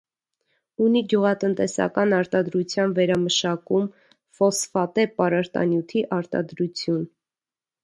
Ունի գյուղատնտեսական արտադրության վերամշակում, ֆոսֆատե պարարտանյութի արտադրություն։